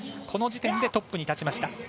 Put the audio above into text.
この時点でトップに立ちました。